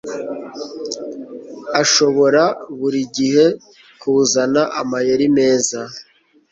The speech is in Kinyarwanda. ashobora buri gihe kuzana amayeri meza